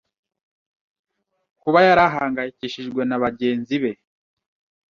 kuba yari ahangayikishijwe na bagenzi be